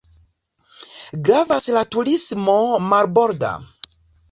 Gravas la turismo marborda.